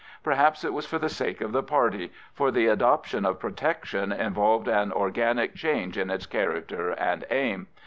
Perhaps it was for the sake of the party, for the adoption of Protection involved an organic change in its character and aim.